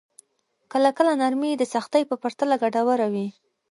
کله کله نرمي د سختۍ په پرتله ګټوره وي.